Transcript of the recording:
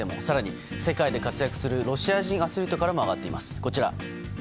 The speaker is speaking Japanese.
更に世界で活躍するロシア人アスリートからも上がっています。